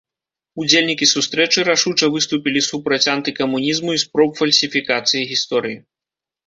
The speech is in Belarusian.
Удзельнікі сустрэчы рашуча выступілі супраць антыкамунізму і спроб фальсіфікацыі гісторыі.